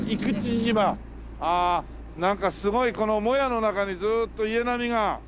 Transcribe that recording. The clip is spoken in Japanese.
ああなんかすごいもやの中にずーっと家並みが。